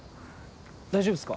大丈夫っすか？